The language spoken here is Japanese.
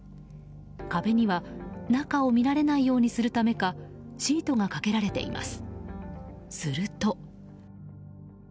壁には中を見られないようにするためかシートがかけられています。